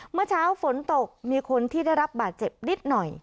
เมื่อเช้าฝนตกมีคนที่ได้รับบาดเจ็บนิดหน่อย